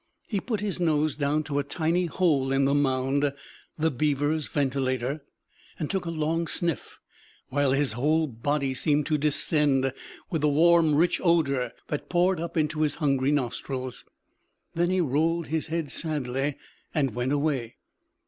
He put his nose down to a tiny hole in the mound, the beavers' ventilator, and took a long sniff, while his whole body seemed to distend with the warm rich odor that poured up into his hungry nostrils. Then he rolled his head sadly, and went away.